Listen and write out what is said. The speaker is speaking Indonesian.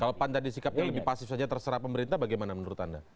kalau pan tadi sikapnya lebih pasif saja terserah pemerintah bagaimana menurut anda